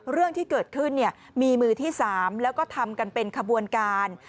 เรื่องที่เกิดขึ้นมีมือที่๓แล้วก็ทำกันเป็นขบวนการ